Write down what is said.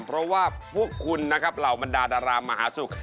เพราะว่าพวกคุณนะครับเหล่าบรรดาดารามหาสนุก